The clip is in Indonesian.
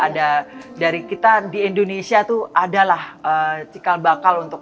ada dari kita di indonesia tuh ada lah cikal bakal untuk